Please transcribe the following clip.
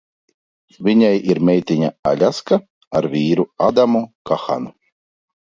Viņai ir meitiņa Aļaska ar vīru Adamu Kahanu.